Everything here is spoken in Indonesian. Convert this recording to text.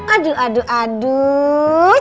aduh aduh aduh